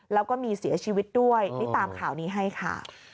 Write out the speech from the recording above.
แล้วก็มีเสียชีวิตด้วยนี่ตามข่าวนี้ให้ค่ะ